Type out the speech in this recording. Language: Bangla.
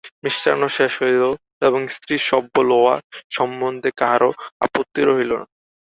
মিষ্টান্ন শেষ হইল এবং স্ত্রীসভ্য লওয়া সম্বন্ধে কাহারো আপত্তি হইল না।